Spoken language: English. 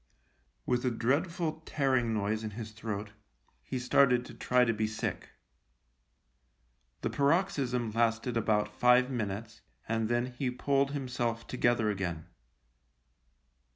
With a dreadful tearing noise in his throat, he started to try to be sick. The paroxysm lasted about five minutes, and then he pulled himself together again.